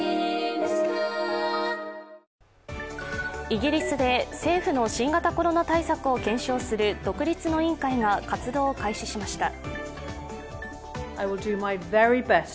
イギリスで政府の新型コロナ対策を検証する独立の委員会が活動を開始しました。